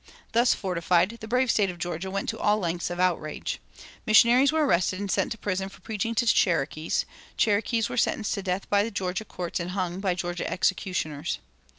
Thus fortified, the brave State of Georgia went to all lengths of outrage. "Missionaries were arrested and sent to prison for preaching to Cherokees; Cherokees were sentenced to death by Georgia courts and hung by Georgia executioners."